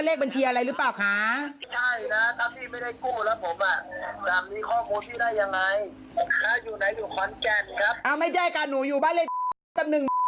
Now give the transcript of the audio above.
เลขบัญชีหรือว่าเลขบัญชีธนาคารครับผม